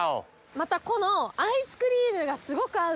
またこのアイスクリームがすごく合う。